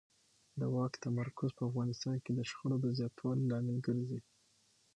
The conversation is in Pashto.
د واک تمرکز په افغانستان کې د شخړو د زیاتوالي لامل ګرځي